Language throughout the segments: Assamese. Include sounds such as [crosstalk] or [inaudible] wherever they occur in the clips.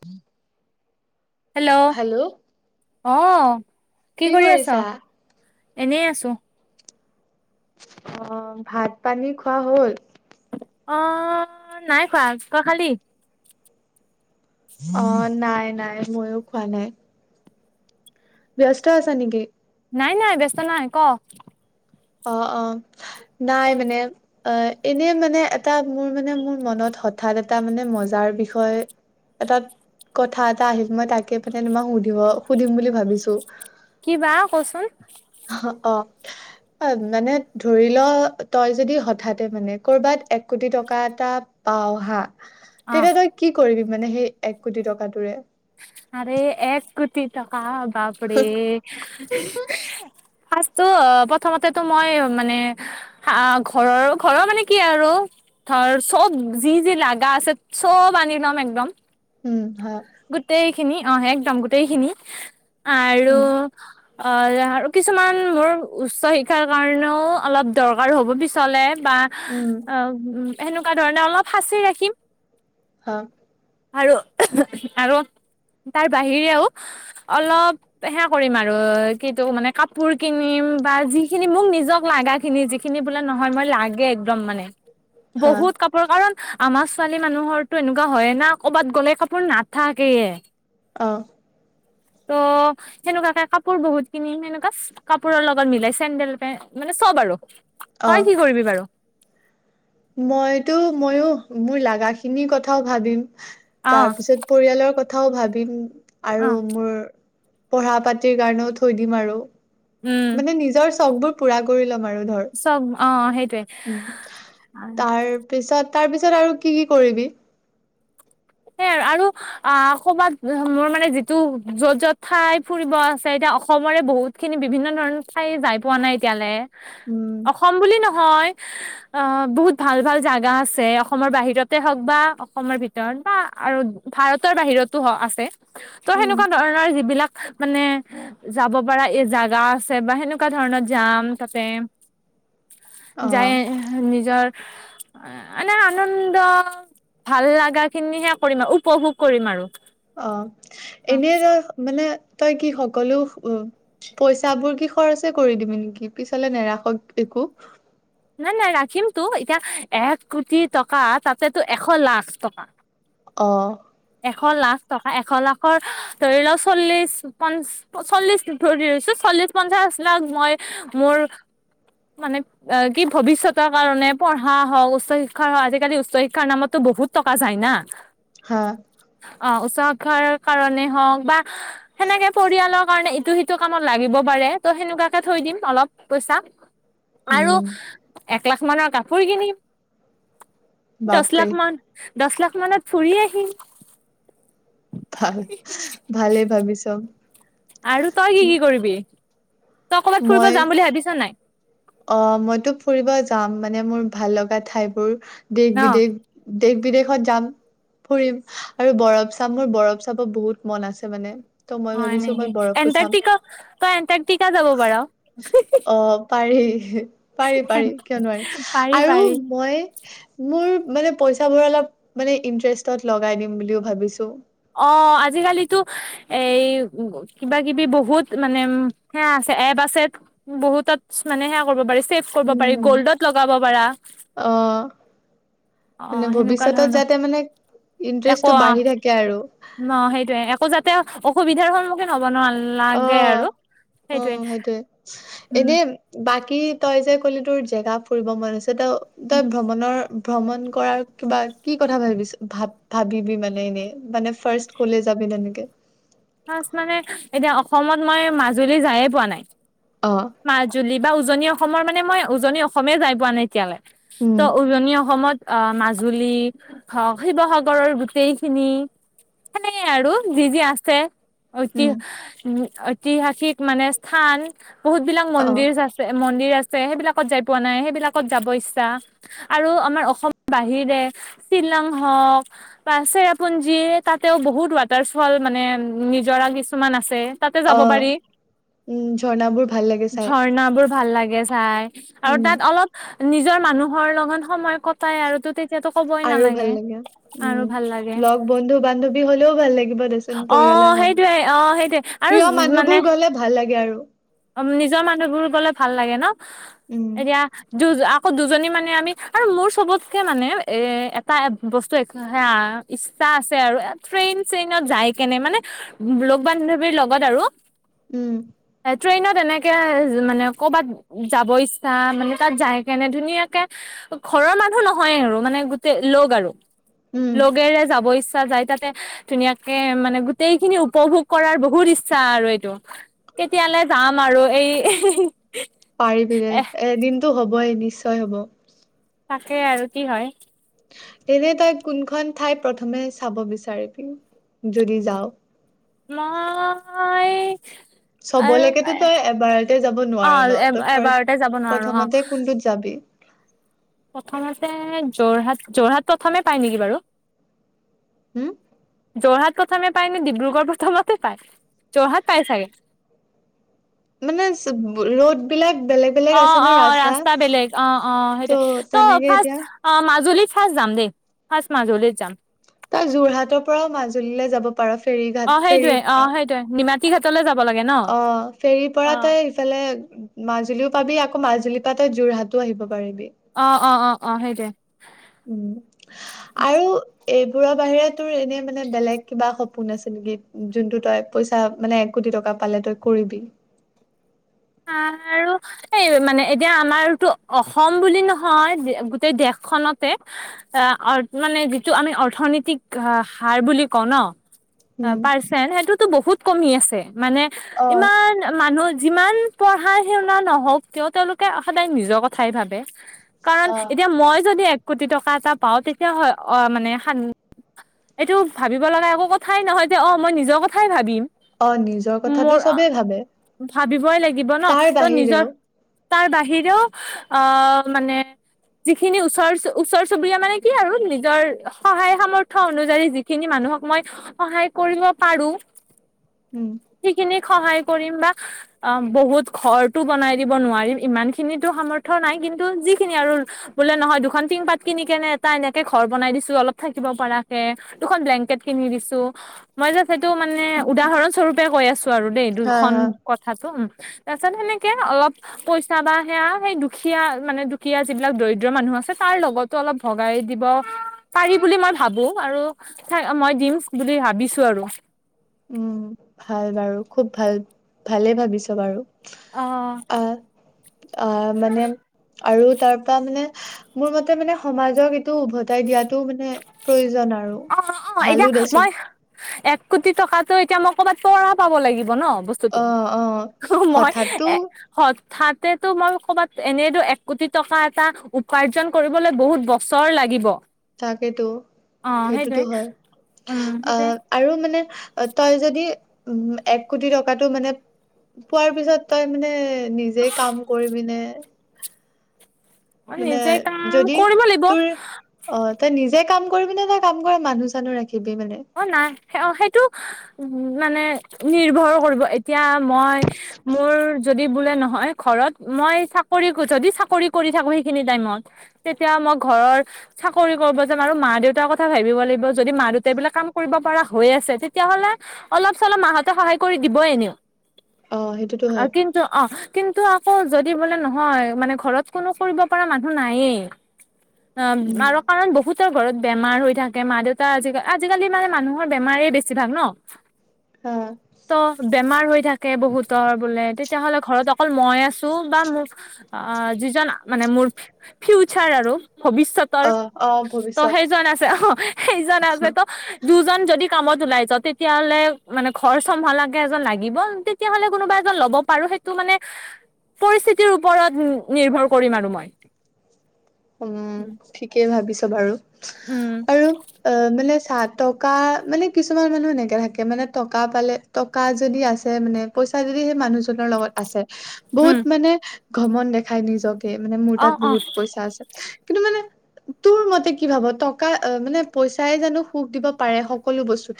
[unintelligible] হেল্ল' অ'। কি কৰি আছা। এনেই আছোঁ। অ', ভাত-পানী খোৱা হ'ল। অ', নাই খোৱা। তই খালি? অ', নাই, নাই মইয়ো খোৱা নাই। ব্যস্ত আছা নেকি? নাই, নাই। ব্যস্ত নাই, ক? অ', অ', নাই মানে, অ, এনেই মানে এটা মোৰ মানে মোৰ মনত হঠাৎ এটা মানে মজাৰ বিষয় এটা, কথা এটা আহিল মই তাকে মানে তোমাক সুধিব, সুধিম বুলি ভাবিছোঁ। কি বা ক'চোন? অ'। অ', মানে ধৰি ল তই যদি হঠাতে মানে কৰ'বাত এক কোটি টকা এটা পাৱ হা। অ তেতিয়া তই কি কৰিবি? মানে সেই এক কোটি টকাটোৰে। আৰে এক কুটি টকা বাপৰে। সাজটো প্ৰথমতেতো মই মানে ঘৰৰ, ঘৰৰ মানে কি আৰু ধৰ চব যি যি লাগা আছে চব আনি লম একদম। উম হ। গোটেইখিনি অ', একদম গোটেই খিনি। আৰু উম অ', আৰু কিছুমান মোৰ উচ্চ শিক্ষাৰ কাৰণেও অলপ দৰকাৰ হ'ব পিছলে। বা উম অ', উ সেনেকুৱা ধৰণে অলপ সাঁচি ৰাখিম। আহ। আৰু আৰু তাৰ বাহিৰেও অলপ হেয়া কৰিম আৰু কিতু মানে কাপোৰ কিনিম বা যিখিনি মোক নিজক লাগাখিনি যিখিনি বোলে নহয় মই লাগে একদম মানে হা বহুত কাপোৰ কাৰণ আমাৰ ছোৱালী মানুহৰটো এনেকুৱা হয়ে না কৰ'বাত গ'লে কাপোৰ না থাকেয়ে। অ'। ত' সেনেকুৱাকে কাপোৰ বহুত কিনি সেনেকোৱা, কাপোৰৰ লগত মিলাই চেণ্ডেল পেণ্ট মানে চব আৰু। অ তই কি কৰিবি বাৰু? মইতো মইয়ো, মোৰ লাগা খিনিৰ কথাও ভাবিম। অ তাৰপিছত পৰিয়ালৰ কথ থাও ভাবিম। অ আৰু মোৰ পঢ়া পাতিৰ কাৰণেও থৈ দিম আৰু। উম মানে নিজৰ চখবোৰ পুৰা কৰি ল'ম আৰু। ধৰ চব অ, সেইটোৱে। তাৰপিছ পিছত তাৰ পিছত আৰু কি- কি কৰিবি? সেই আৰু আহ, ক'বাত মোৰ মানে যিটো য'ত - য'ত ঠাই ফুৰিব আছে এতিয়া অসমৰে বহুত খিনি বিভিন্ন ধৰণৰ ঠাই যাই পোৱা নাই এতিয়ালে। উম অসম বুলি নহয় হয় অহ ', বহুত ভাল - ভাল জাগা আছে অসমৰ বাহিৰতে হওক বা অসমৰ ভিতৰত। বা আৰু ভাৰতৰ বাহিৰতো আছে। ত' উম সেনেকুৱা ধৰণৰ যিবিলাক মানে যাব পৰা এই জাগা আছে বা সেনেকুৱা ধৰণত যাম তাতে। অ যাই নিজৰ মানে আনন্দ ভাল লগা খিনীহে কৰিম আৰু উপভোগ কৰিম আৰু। অহ ', এনেই ধৰ মানে তই কি সকলো পইচাবোৰ কি খৰচে কৰি দিমি নেকি পিছলে নেৰাখক একো। নাই - নাই ৰাখিমতো এতিয়া এক কোটি টকা তাতেতো এশ লাখ টকা। অহ ', এশ লাখ টকা এশ লাখৰ ধৰি লওক চল্লিশ- চল্লিশ ধৰিছো চল্লিশ পঞ্চাশ লাখ মই মোৰ মানে কি ভৱিষ্যতৰ কাৰণে পঢ়া হওক উচ্চ শিক্ষাৰ হওক আজিকালি উচ্চ শিক্ষাৰ নামতো বহুত টকা যায় না। অহ ', অহ ', উচ্চ শিক্ষাৰ কাৰণে হওক বা সেনেকে পৰিয়ালক কাৰণে ইটো সিটো কামত লাগিব পাৰে ত' সেনেকুৱাকে থৈ দিম অলপ পইচা। আৰু উম এক লাখ মানৰ কাপোৰ কিনিম। দহ বাপৰে লাখ মান দহ লাখ মানত ফুৰি আহিম। ভাল - ভালেই ভাবিছ। আৰু তই কি - কি কৰিবি? তই কবাত ফুৰিব যাম বুলি ভাবিছা নাই। অহ ', মইতো ফুৰিব যাম মানে মোৰ ভাল লগা ঠাইবোৰ। দেশ ন বিদেশ দেশ বিদেশত যাম ফুৰিম আৰু বৰফ চাম মোৰ বৰফ চাপৰ বহুত মন আছে মানে। ত' মই হয় ভাবিছো মই নেকি বৰফো চাম এণ্টাৰ্টিকা তই এণ্টাৰ্টিকা যাব পাৰ। এহে পাৰি - পাৰি কিয় নোৱাৰি পাৰি আৰু পাৰি মই মোৰ মানে পইচাবোৰ অলপ মানে ইন্টাৰেষ্টত লগাই দিম বুলিও ভাবিছো। অহ ', আজিকালিতো এই কিবা কিবি বহুত মানে সে আছে এপ আছে বহুতত মানে সেয়া কৰিব পাৰি। ছেভ কৰিব পাৰি উম গল্ডত লগাব পাৰা অ অহ মানে ', সেনেকুৱা ভৱিষ্যতত ধৰণৰ যাতে মানে একো ইন্টাৰেষ্টটো অহ বাঢ়ি ', থাকে আৰু ন' সেইটোৱে একো জা তে অসুবিধাৰ সন্মুখীন হব নালাগে আৰু অ', সেইটোয়ে উম, সেইটৱে, উম এনে বা কি তই যে ক'ল তোৰ জেগা ফুৰিব মন আছে ত' তই ভ্ৰমণৰ ভ্ৰমণ কৰাৰ কিবা কি কথা ভাবিছ ভা-ভাবিবি মানে এনেই মানে ফাৰ্ষ্ট ক'লে যাবি তেনেকে। [inaudible] ফাৰ্ষ্ট মানে এতিয়া অসমত মই মাজুলী যাইৱে পোৱা নাই। অ মাজুলী বা উজনি অসমৰ মানে মই উজনি অসমেই যাই পোৱা নাই এতিয়ালে। উম ত উজনি অসমত। অ মাজুলী হওঁক শিৱসাগৰৰ গোটেইখিনি সেনেকে আৰু যি যি আছে। ঐতি‌ উম ঐ ঐতিহাসিক মানে স্থান বহুত বিলাক অ মন্দিচ আছে মন মন্দিৰ আছে সেইবিলাকত যাই পোৱা নাই। সেইবিলাকত যাব ইচ্ছা আৰু আমাৰ অসমৰ বাহিৰে শ্বিলং হওঁক বা চেৰাপুঞ্জী তাতেও বহুত ৱাটাৰ ফল মানে নিজৰা কিছুমান আছে। তাতে অ যাব পাৰি উম ঝৰ্ণাবোৰ ভাল লাগে চাই। ঝৰ্ণাবোৰ ভাল লাগে চাই। আৰু উম তাত অলপ নিজৰ মানুহৰ লগত সময় কটাই আৰু টো তেত আৰু ভাল লাগে। উম ভাল লাগে লগ বন্ধু বান্ধৱী হলেও ভাল লাগিব দেচোন অ পৰিয়ালৰ সেইটোয়ে অ সেইটোয়ে মানুহ আৰু প্ৰিয় মানুহবোৰ গলে ভাল লাগে আৰু অ নিজৰ মানুহবোৰ গলে ভাল লাগে ন? উম এতিয়া যো জা আক কৌ দুজনী মানে আমি আৰু মোৰ চবতকে মানে এ এটা বস্তু সেয়া ইষ্টা আছে আৰু ট্ৰেইন চেইনত যাই কেনে মানে লগ বান্ধৱীৰ লগত আৰু উম। ট্ৰেইনত এনেকে মানে কৰ'বাত যাব ইচ্ছা মানে তাত যায় কেনে ধুনীয়াকে ঘৰৰ মানুহ নহয় আৰু মানে গোটেই লগ আৰু। উম, লগেৰে যাবই ইছ তাতে যাই তাতে ধুনীয়াকে মানে গোটেই খিনি উপভোগ কৰাৰ বহুত ইচ্ছা আৰু এইটো। কেতিয়ালে যাম আৰু এই। পাৰিবি দে এ এদিনতটো হ'বই নিশ্চ শ্চয় হ'ব। তাকে আৰু কি হয়। এনে তই কোনখন ঠাই প্ৰথমে চাব বিচাৰিবি? যদি যাওঁ। মই। আৰু চবলৈকেতো তই এবাৰতে যাব অ নোৱাৰ ন? এ তই এবাৰতে যাব ফাৰ্ষ্ট নোৱাৰো অ প্ৰথমতে কোনটোত যাবি? প্ৰথমতে যোৰহাট, যোৰহাট প্ৰথমে পায় নেকি বাৰু? হু। যোৰহাট প্ৰথমে পায় নে? ডিব্ৰুগড় প্ৰথমতে পায়। যোৰহাট পাই চাগে? মানে ৰড বিলাক বেলেগ বেলেগ অ আছে ন অ ৰাস্তা বেলেগ অ অ ত' সেইটোৱে ত তেনেকে এতিয়া ফাৰ্ষ্ট মাজুলীত ফাৰ্ষ্ট যাম দেই ফাৰ্ষ্ট মাজুলীত যাম। তই যোৰহাটৰ পৰাও মাজুলীলৈ যাব পাৰ ফেৰী ঘাট অ সেইটোয়ে ফেৰীৰ পৰা। অ' সেইটোয়ে নিমাত ঘাটলৈ যাব লাগে ন অ' ফেৰীৰ পৰা অ তই সিফালে মাজুলীও পাবি আক- আক মাজুলীৰ পা তই যোৰহাটো আহিব। পাৰিবি। অ' অ' অ' অ' সেইটোৱে। উম' আৰু- এইবোৰৰ বাহিৰে, তোৰ এনে মানে বেলেগ কিবা সপোন আছে নেকি? যোনটো তই পইচা মানে, এক কোটি টকা পালে তই কৰিবি। আৰু এই মানে এতিয়া আমাৰতো অসম বুলি নহয়, গোটেই দেশখনতে এ মানে যিটো আমি অৰ্থনৈতিক হাৰ বুলি কওঁ ন! অ' উম। পাৰ্চেন্ত সেইটোতো বহুত- কমি আছে। মানে অ', ইমান মানুহ- যিমান- পঢ়া-শুনা নহওক কিয়, তেওঁলোকে সদায় নিজৰ কথাই ভাবে। কাৰণ, অ। এতিয়া মই যদি এক কোটি টকা- এটা পাও তেতিয়া হয় অ' মানে সান এইটো ভাবিব লগা একো কথাই নহয় যে, অ' মই নিজৰ কথাই ভাবিম। অ' নিজৰ কথাটো মোৰ চবেই ভাবে। ভাবিবই লাগিব ন' তাৰ তই বাহিৰেও নিজৰ- তাৰ বাহিৰেও আহ' মানে যিখিনি ওচৰ ওচৰ চুবুৰীয়া মানে, কি আৰু নিজৰ সহায় সামৰ্থয় অনুযায়ী যিখিনি মানুহক মই সহায় কৰিব পাৰো- উম। সেইখিনি সহায় কৰিম বা অ'। বহুত, ঘৰটো বনাই দিব নোৱাৰিম ইমানখিনিটো সামৰ্থ নাই কিন্তু যিখিনি আৰু বোলে নহয়, দুখন টিং পাত কিনি কেনে এটা এনেকে ঘৰ বনাই দিছোঁ, অলপ থাকিব পাৰাকে দুখন ব্লেংকেট কিনি দিছোঁ, মই য'ত সেইটো মানে উদাহৰণস্বৰূপে কৈ আছ ত' আৰু দেই হা দুখন হা। কথাটো, উম। তাৰপিছত, সেনেকে অলপ পইচা বা সেয়া সেই দুখীয়া মানে, দুখীয়া যিবিলাক দৰিদ্ৰ মানুহ আছে তাৰ লগতো অলপ ভগাই দিব পাৰি বুলি মই ভাবো আৰু মই দিম বুলি ভাবিছোঁ আৰু। উম, ভাল বাৰু খুব ভাল, ভালে ভাবিছ' বাৰু। অ'। অহ, মানে আৰু তাৰপৰা মানে, মোৰ মতে মানে সমাজক এইটো উভতাই দিয়াত টো মানে প্ৰয়োজন আৰু অ অ এতিয়া ভালো দেচোন। ত' এতিয়া মই ক'বাত তৰা পাব লাগিব ন'। বস্তুটো অ', মই হঠাতো এ, হ'ত ঠাতেতো মই ক'বাত, এনেইতো এক কোটি টকা এটা উপাৰ্জন কৰিবলৈ বহুত বছৰ লাগিব। তাকেতো। অ সেইটোতো সেইটোৱে হয়, উম সেইটোৱে আহ, আৰু মানে অ', তই যদি উ এক কোটি টকাটো মানে, পোৱাৰ পিছত তই মানে নিজেই কাম কৰিবিনে? অ', নিজে কাম যদি কৰিব লাগিব। তোৰ অ তই নিজে কাম কৰিবিনেনে কাম কৰে মানুহ চানুহ ৰাখি অ', নাই অ', সেইটো উ মানে নিৰ্ভৰ কৰিব, এতিয়া মই মোৰ যদি বোলে নহয়, ঘৰত মই চাকৰি যতি চাকৰি কৰি থাকো সেই খিনি টাইমত তেতিয়া মই ঘৰৰ চাকৰি কৰিব যাম আৰু মা দেউতাৰ কথা ভাবিৱ লাগিব যদি মা দেউতা গোটেইবিলাক কাম কৰিব পৰা হৈ আছে তেতিয়াাহ'লে অলপ চলপ মাহঁতে সহায় কৰি দিবই এনেও। অ সেইটোতো আৰু হয় কিন্তু অ', কিন্তু আকৌ যদি বোলে নহয় মানে ঘৰত কোনো কৰিব পৰা মানুহ নায়েই অ', উম আৰু কাৰণ বহুত ঘৰত বেমাৰ হৈ থাকে মা দেউতা আজিকা আজিকালি মানে মানুহৰ বেমাৰে বেছিভাগ ন'। হা ত', বেমাৰ হৈ থাকে বহুতৰ বোলে তেতিয়াহ'লে ঘৰত অকল মই আছো বা মোক যিজন মানে মোৰ ফিউচাৰ আৰু ভৱিষ্যতৰ অ অ ত ভৱিষ্যত সেইজন আছে অ সেইজন আছে দুজন যদি কামত ওলাই যাওঁ তেতিয়াহলে মানে ঘৰ চম্ভালকে এজন লাগিব তেতিয়া হলে কোনোবা এজন ল'ব পাৰো সেইটো মানে পৰিস্থিতিৰ ওপৰত নিৰ্ভৰ কৰিম আৰু মই উম ঠিকেই ভাবিছ ছা বাৰু উম আৰু অ মানে চাহ টকা মানে কিছুমান মানুহ সেনেকে থাকে মানে টকা পালে টকা যদি আছে মানে পইচা যদি সেই মানুহজনৰ লগত আছে উম বহুত মানে ঘমন দেখাই নিজক কে মানে মোৰ অ তাত অ বহুত পইচা আছে কিন্তু মানে তোৰ মতে কি ভাব টকা মানে পইচাই জানো সুখ দিব পাৰে সকলো বস্তু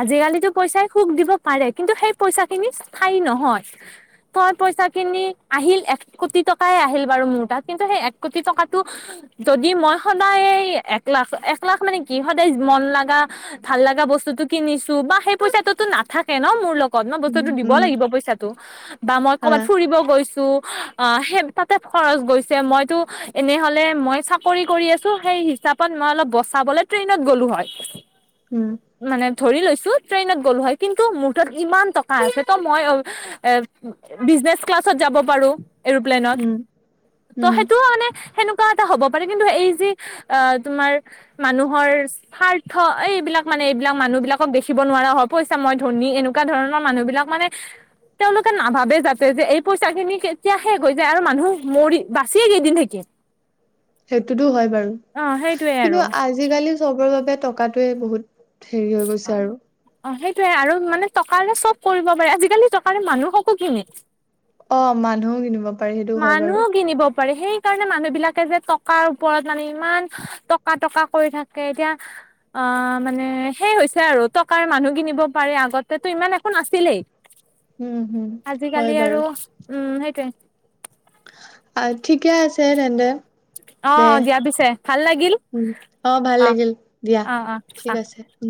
আজিকালিতো পইচাই সুখ দিব পাৰে কিন্তু সেই পইচা খিনি স্থায়ী নহয় তই পইচা খিনি আহিল এক কোটি টকাই আহিল বাৰু মোৰ তাত কিন্তু সেই এক কোটি টকাটো যদি মই সদায় এক লাখ এক লাখ মানে কি সদায় মন লগা ভাল লগা বস্তু টো কিনিছো বা সেই পইচাটোতো নাথাকে ন মোৰ লগ গত উম বস্তুতো দিব উম লাগিব পইচাটো বা মই হা ক'ৰবাত ফুৰিব গৈছো অ', সেই তাতে খৰচ গৈছে। মইতো এনেহ'লে মই চাকৰি কৰি আছোঁ, সেই হিচাপত মই অলপ বচাবলৈ ট্ৰেইনত গ'লো হয়। উম। মানে ধৰি লৈছোঁ ট্ৰেইনত গ'লো হয়, কিন্তুটো মোৰ তাত ইমান টকা আছে, ত' মই অ, এ বিজনেছ ক্লাছত যাব পাৰোঁ। এৰোপ্লেনত। উম ত' উম সেইটোও মানে সেনেকুৱা হ'ব পাৰে কিন্তু এই যি অ', তোমাৰ মানুহৰ স্বাৰ্থ এইবিলাক মানে, এই বিলাক মানুহ বিলাকক দেখিব নোৱাৰা হয়। [unintelligible] মই ধনী এনেকুৱা ধৰণৰ মানুহবিলাক মানে তেওঁলোকে নাভাৱেই যাতে যে এই পইচাখিনি কেতিয়া শেষ হৈ যায় আৰু মানুহ মৰি বাচিয়ে কেইদিন থাকিম। সেইটোতো হয় বাৰু অ' সেইটোয়ে আৰু কিন্তু, আজি-কালি চবৰ বাবে টকাটোৱে বহুত। হেৰি হৈ গৈছে আৰু। সেইটোৱে আৰু মানে, টকাৰে চব কৰিব পাৰে। আজি-কালি টকাৰে মানুহকো কিনে। অ মানুহো কিনিব পাৰি সেইটো হয় বাৰু মানুহও কিনিব সেইকাৰণে মানুহ বিলাকে যে, টকাৰ ওপৰত মানে ইমান টকা টকা কৰি থাকে, এতিয়া অ মানে, সেই হৈছে আৰু টকাৰ মানুহ কিনিব পাৰে আগতে ইমান একো নাছিলেই। উম হম হয় আজিকালি বাৰু আৰু উম, সেইটোৱেই। আ, ঠিকেই আছে তেন্তে। দে অ', দিয়া পিছে। ভাল লাগিল উম অ ভাল আহ, লাগিল দিয়া অ, অ, ঠিক আহ। আছে উম